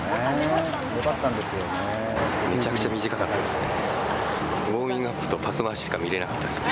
めちゃくちゃ短かったですね。